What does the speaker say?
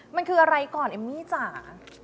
มันคืออะไรก่อนเอมมี่จ๋า